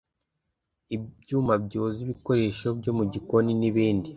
ibyuma byoza ibikoresho byo mu gikoni n’ibindi